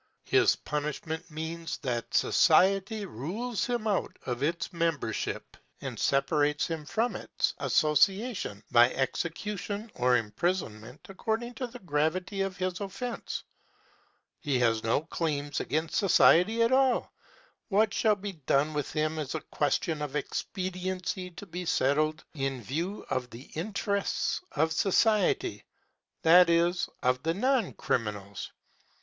His punishment means that society rules him out of its membership, and separates him from its association, by execution or imprisonment, according to the gravity of his offense. He has no claims against society at all. What shall be done with him is a question of expediency to be settled in view of the interests of society that is, of the non criminals.